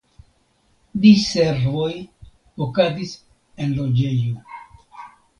Diservoj okazis en loĝejo.